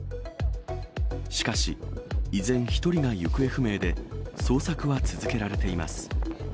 しかし、依然１人が行方不明で、捜索は続けられています。